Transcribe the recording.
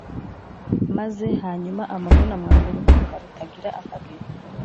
Maze hanyuma Amunoni amwanga urunuka rutagira akagera